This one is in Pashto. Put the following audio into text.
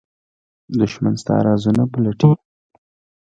دښمن ستا رازونه پلټي